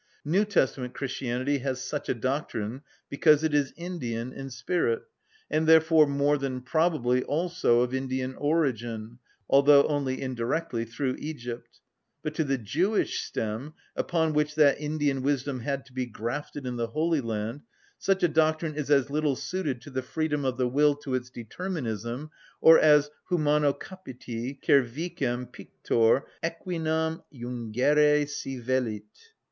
New Testament Christianity has such a doctrine because it is Indian in spirit, and therefore more than probably also of Indian origin, although only indirectly, through Egypt. But to the Jewish stem, upon which that Indian wisdom had to be grafted in the Holy Land, such a doctrine is as little suited as the freedom of the will to its determinism, or as "_Humano capiti cervicem pictor equinam Jungere si velit.